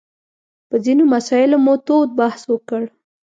په ځینو مسایلو مو تود بحث وکړ.